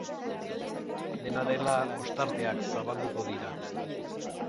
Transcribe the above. Dena dela, ostarteak zabalduko dira.